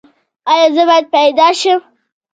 ایا زه باید پیدا شم؟